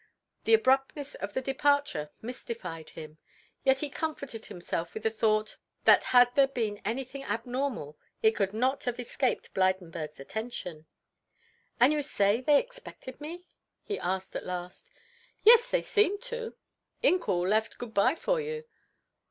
The abruptness of the departure mystified him, yet he comforted himself with the thought that had there been anything abnormal, it could not have escaped Blydenburg's attention. "And you say they expected me?" he asked at last. "Yes, they seemed to. Incoul left good bye for you.